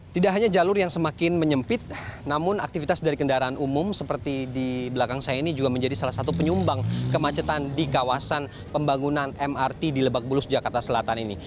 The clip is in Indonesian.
tidak hanya jalur yang semakin menyempit namun aktivitas dari kendaraan umum seperti di belakang saya ini juga menjadi salah satu penyumbang kemacetan di kawasan pembangunan mrt di lebak bulus jakarta selatan ini